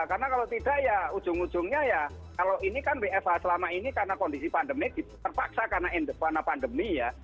karena kalau tidak ya ujung ujungnya ya kalau ini kan wfa selama ini karena kondisi pandemi terpaksa karena pandemi ya